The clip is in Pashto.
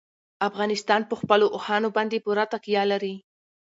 افغانستان په خپلو اوښانو باندې پوره تکیه لري.